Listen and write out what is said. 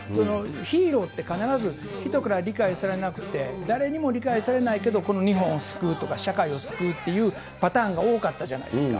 ヒーローって必ず人から理解されなくて、誰にも理解されないけど、日本を救うとか社会を救うっていうパターンが多かったじゃないですか。